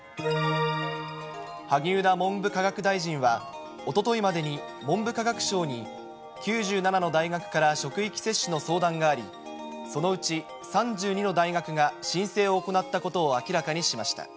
萩生田文部科学大臣は、おとといまでに、文部科学省に９７の大学から職域接種の相談があり、そのうち３２の大学が申請を行ったことを明らかにしました。